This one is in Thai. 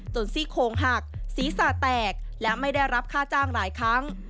ซี่โคงหักศีรษะแตกและไม่ได้รับค่าจ้างหลายครั้ง